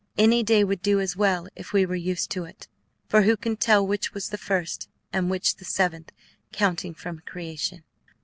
Any day would do as well if we were used to it, for who can tell which was the first and which the seventh counting from creation?